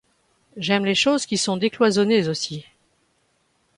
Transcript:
J'aime les choses qui sont décloisonnées aussi.